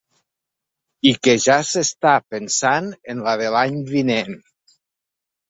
I que ja s’està pensant en la de l’any vinent.